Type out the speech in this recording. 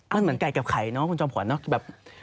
มันเหมือนไก่กับไข่เนาะคุณจอมขวัญเนอะแบบ